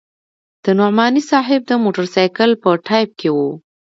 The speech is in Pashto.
د نعماني صاحب د موټرسایکل په ټایپ کې وه.